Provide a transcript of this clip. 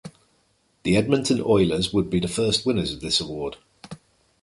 The Edmonton Oilers would be the first winners of this award.